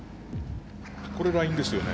これラインですよね。